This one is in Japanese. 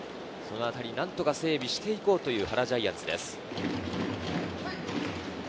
何とか整備して行こうという原ジャイアンツです。